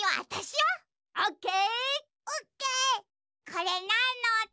これなんのおと？